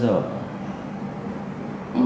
học điện điện